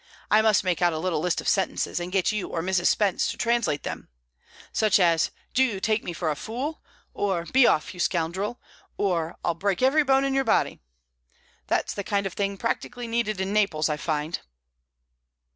I must make out a little list of sentences, and get you or Mrs. Spence to translate them. Such as 'Do you take me for a fool?' or 'Be off, you scoundrel!' or 'I'll break every bone in your body!' That's the kind of thing practically needed in Naples, I find."